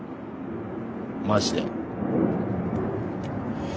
マジで。